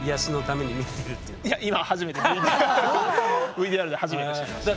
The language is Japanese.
ＶＴＲで初めて知りました。